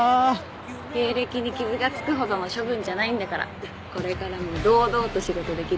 経歴に傷がつくほどの処分じゃないんだからこれからも堂々と仕事できるね。